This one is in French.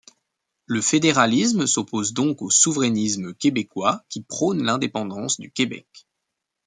Le fédéralisme s'oppose donc au souverainisme québécois qui prône l'indépendance du Québec.